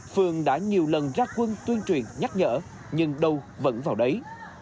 phương đã nhiều lần ra quân tuyên truyền nhắc nhở nhưng đâu vẫn vào đấy